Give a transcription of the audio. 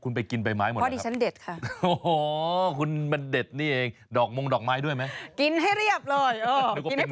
คุณไปกินใบไม้หมดหรือครับคุณมันเด็ดนี่เองดอกมงดอกไม้ด้วยไหมคุณไปกินใบไม้หมดหรือครับถ้าดิฉันไปร้านนี้นะบอกเลยใบไม้หายเกลี้ยง